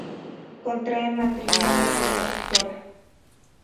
Contrae matrimonio con la Dra.